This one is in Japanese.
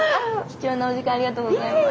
貴重なお時間ありがとうございます。